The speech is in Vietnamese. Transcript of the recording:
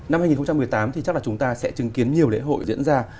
năm hai nghìn một mươi tám thì chắc là chúng ta sẽ chứng kiến nhiều lễ hội diễn ra